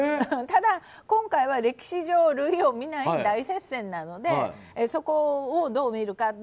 ただ、今回は歴史上類を見ない大接戦なのでそこをどう見るか。